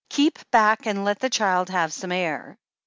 "Keep back, and let the child have some air."